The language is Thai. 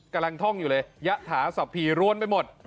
กำลังท่องอยู่เลยยะถาสะพีรวนไปหมด